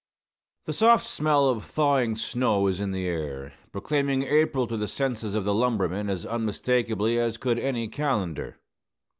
The soft smell of thawing snow was in the air, proclaiming April to the senses of the lumbermen as unmistakably as could any calendar.